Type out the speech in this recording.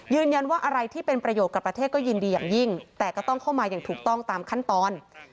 อะไรที่เป็นประโยชน์กับประเทศก็ยินดีอย่างยิ่งแต่ก็ต้องเข้ามาอย่างถูกต้องตามขั้นตอน